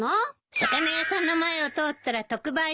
魚屋さんの前を通ったら特売してて。